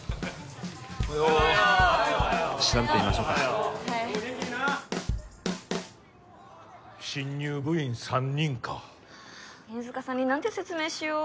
おはようおはよう調べてみましょうかはい新入部員３人かああ犬塚さんに何て説明しよう